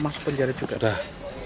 masuk penjara juga dah